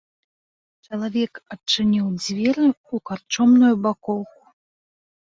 Чалавек адчыніў дзверы ў карчомную бакоўку.